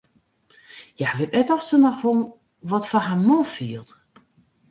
Hja wit net oft se noch wol wat foar har man fielt.